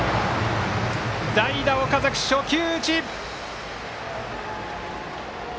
代打・岡崎、初球打ち！